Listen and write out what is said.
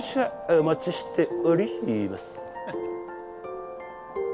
お待ちしております。